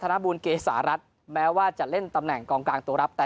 นบูลเกษารัฐแม้ว่าจะเล่นตำแหน่งกองกลางตัวรับแต่